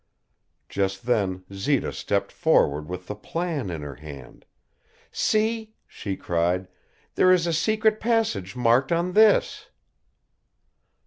Just then Zita stepped forward with the plan in her hand. "See," she cried, "there is a secret passage marked on this."